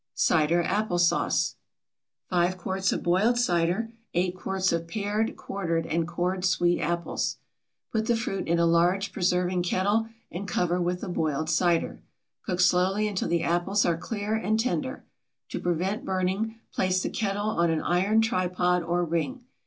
CIDER APPLE SAUCE. 5 quarts of boiled cider. 8 quarts of pared, quartered, and cored sweet apples. Put the fruit in a large preserving kettle and cover with the boiled cider. Cook slowly until the apples are clear and tender. To prevent burning, place the kettle on an iron tripod or ring.